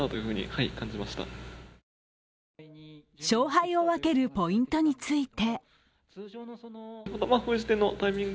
勝敗を分けるポイントについて